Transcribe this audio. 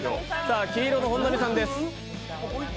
黄色の本並さんです。